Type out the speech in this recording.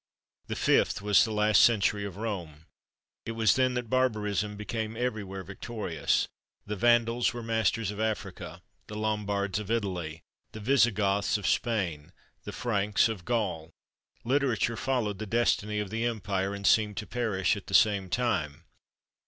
The fifth was the last century of Rome. It was then that barbarism became everywhere victorious. The Vandals were masters of Africa, the Lombards of Italy, the Visigoths of Spain, the Franks of Gaul. Literature followed the destiny of the empire, and seemed to perish at the same time.